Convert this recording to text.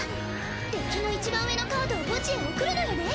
デッキのいちばん上のカードを墓地へ送るのよね！